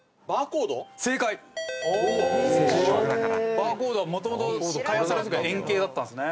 バ―コ―ドはもともと開発された時は円形だったんですね。